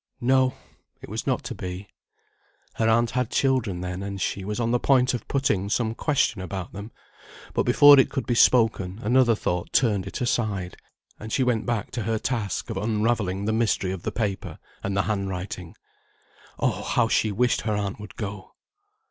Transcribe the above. No! it was not to be. Her aunt had children, then; and she was on the point of putting some question about them, but before it could be spoken another thought turned it aside, and she went back to her task of unravelling the mystery of the paper, and the hand writing. Oh! how she wished her aunt would go.